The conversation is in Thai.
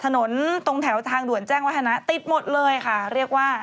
ถนนตรงแถวทางด่วนแจ้งวัฒนะติดหมดเลยค่ะเรียกว่า